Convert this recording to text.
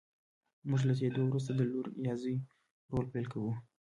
موږ له زېږېدو وروسته د لور یا زوی رول پیل کوو.